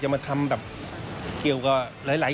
มาทำแบบเกี่ยวกับหลาย